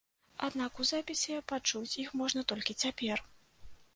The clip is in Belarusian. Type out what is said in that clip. Аднак у запісе пачуць іх можна толькі цяпер.